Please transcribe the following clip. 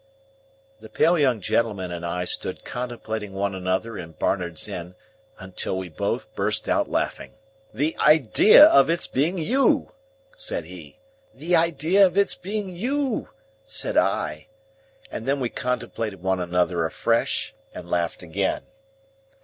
The pale young gentleman and I stood contemplating one another in Barnard's Inn, until we both burst out laughing. "The idea of its being you!" said he. "The idea of its being you!" said I. And then we contemplated one another afresh, and laughed again.